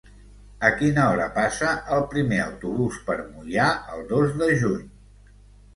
A quina hora passa el primer autobús per Moià el dos de juny?